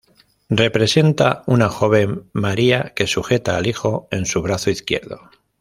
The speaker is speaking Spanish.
Representa una joven María que sujeta al hijo en su brazo izquierdo.